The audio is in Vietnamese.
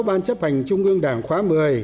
ban chấp hành trung ương đảng khóa một mươi